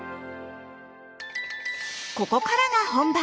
ここからが本番！